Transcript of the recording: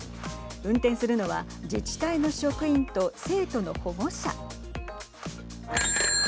運転するのは自治体の職員と生徒の保護者。